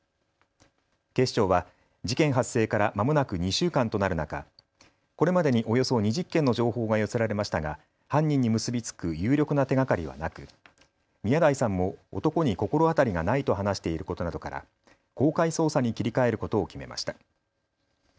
警視庁は事件発生からまもなく２週間となる中、これまでにおよそ２０件の情報が寄せられましたが犯人に結び付く有力な手がかりはなく宮台さんも男に心当たりがないと話していることなどから公開捜査に切り替えることを決めました。